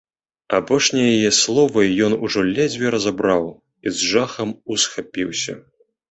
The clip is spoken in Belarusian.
Апошнія яе словы ён ужо ледзьве разабраў і з жахам усхапіўся.